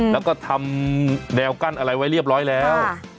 แล้วก็ทำแนวกั้นอะไรไว้เรียบร้อยแล้ว